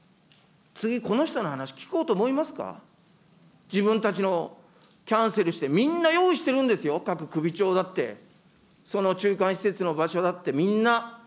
次、この人の話聞こうと思いますか、自分たちのキャンセルして、みんな用意してるんですよ、各首長だって、その中間施設の場所だって、みんな。